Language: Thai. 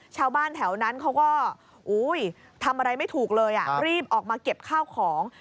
ชาวบ้านแถวนั้นเขาก็ทำอะไรไม่ถูกเลยรีบออกมาเก็บข้าวของ